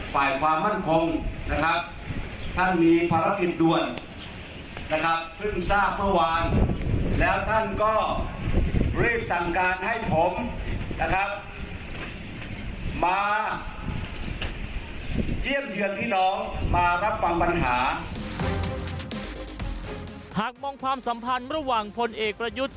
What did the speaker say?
หากมองความสัมพันธ์ระหว่างพลเอกปรุกษา